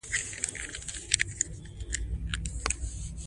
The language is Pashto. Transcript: بلکې د شاعرانو، سندرغاړو، انځورګرو